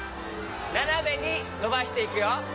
ななめにのばしていくよ。